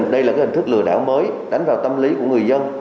đây là hình thức lừa đảo mới đánh vào tâm lý của người dân